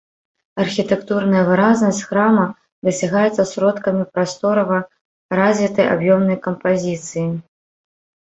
Архітэктурная выразнасць храма дасягаецца сродкамі прасторава развітай аб'ёмнай кампазіцыі.